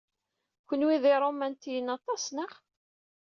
Kenwi d iṛumantiyen aṭas, naɣ?